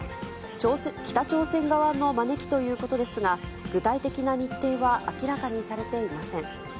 北朝鮮側の招きということですが、具体的な日程は明らかにされていません。